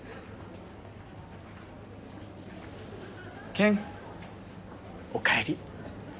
ケンおかえり。